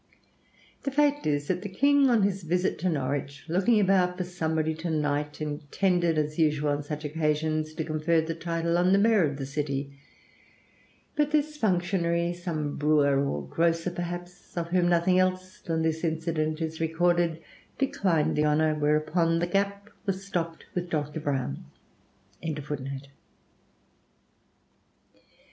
The fact is that the King on his visit to Norwich, looking about for somebody to knight, intended, as usual on such occasions, to confer the title on the mayor of the city; but this functionary, some brewer or grocer perhaps, of whom nothing else than this incident is recorded, declined the honor, whereupon the gap was stopped with Dr. Browne.